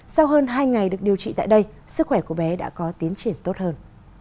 sau hơn hai ngày được điều trị tại đây sức khỏe của bé đã có tiến triển tốt hơn